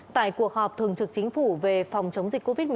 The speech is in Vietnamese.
tại cuộc họp thường trực chính phủ về phòng chống dịch covid một mươi chín